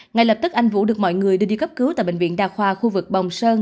ngay lập tức anh vũ được mọi người đưa đi cấp cứu tại bệnh viện đa khoa khu vực bồng sơn